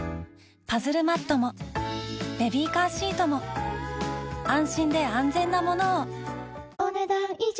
パズルマットもベビーカーシートも安心で安全なものをお、ねだん以上。